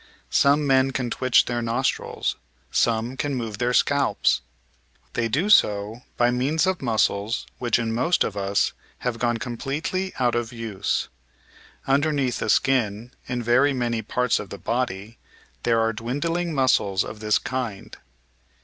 Some men can twitch their nostrils. Some can move their scalps. They do so by means of muscles which in most of us have gone completely out of use. Underneath the skin in very many parts of the body there are dwindling muscles of this kind.